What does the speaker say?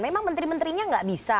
memang menteri menterinya nggak bisa